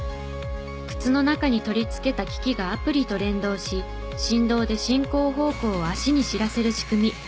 靴の中に取りつけた機器がアプリと連動し振動で進行方向を足に知らせる仕組み。